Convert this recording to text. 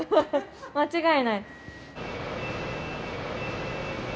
間違いない。